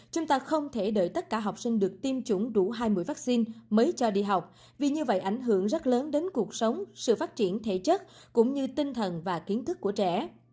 chúng ta không thể đợi tất cả học sinh được tiêm chủng đủ hai mươi vaccine mới cho đi học vì như vậy ảnh hưởng rất lớn đến cuộc sống sự phát triển thể chất cũng như tinh thần và kiến thức của trẻ